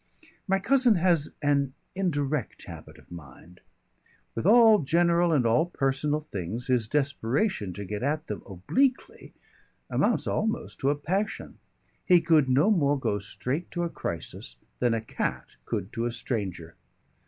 My cousin has an indirect habit of mind. With all general and all personal things his desperation to get at them obliquely amounts almost to a passion; he could no more go straight to a crisis than a cat could to a stranger.